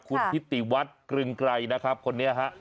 คุณฮิตติวัดกรึงไกรนะครับคนนี้ค่ะ